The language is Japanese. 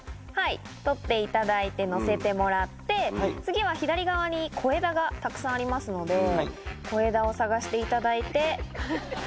はい取っていただいて乗せてもらって次は左側に小枝がたくさんありますので小枝を探していただいて。